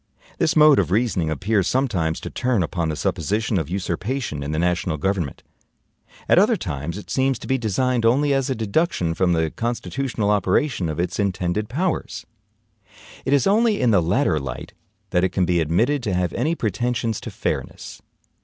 This mode of reasoning appears sometimes to turn upon the supposition of usurpation in the national government; at other times it seems to be designed only as a deduction from the constitutional operation of its intended powers. It is only in the latter light that it can be admitted to have any pretensions to fairness.